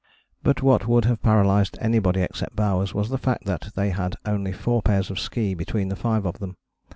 But what would have paralysed anybody except Bowers was the fact that they had only four pairs of ski between the five of them.